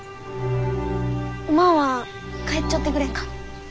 おまんは帰っちょってくれんか？